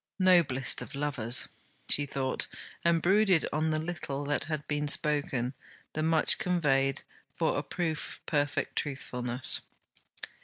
Noblest of lovers! she thought, and brooded on the little that had been spoken, the much conveyed, for a proof of perfect truthfulness.